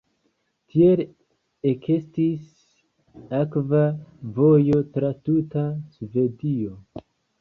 Tiel ekestis akva vojo tra tuta Svedio.